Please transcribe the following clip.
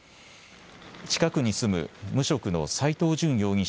近くに住む無職の斎藤淳容疑者